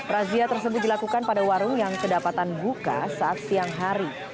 razia tersebut dilakukan pada warung yang kedapatan buka saat siang hari